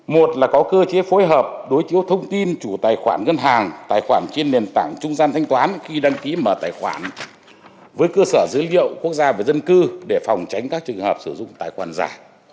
một là có cơ chế phối hợp đối chiếu thông tin chủ tài khoản ngân hàng tài khoản trên nền tảng trung gian thanh toán khi đăng ký mở tài khoản với cơ sở dữ liệu quốc gia về dân cư để phòng tránh các trường hợp sử dụng tài khoản giả